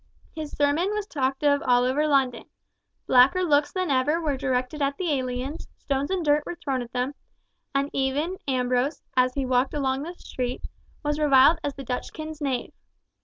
His sermon was talked of all over London; blacker looks than ever were directed at the aliens, stones and dirt were thrown at them, and even Ambrose, as he walked along the street, was reviled as the Dutchkin's knave.